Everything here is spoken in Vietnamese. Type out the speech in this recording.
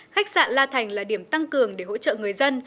khách sạn la thành là điểm tăng cường để hỗ trợ người dân